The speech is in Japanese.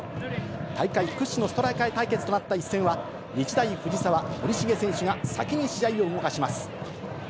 大会屈指のストライカー対決となった一戦は、日大藤沢、森重選手が先に試合を動かします。